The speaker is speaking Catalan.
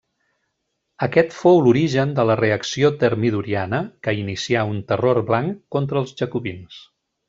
Aquest fou l'origen de la reacció termidoriana, que inicià un Terror Blanc contra els jacobins.